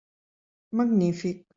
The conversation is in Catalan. Magnífic!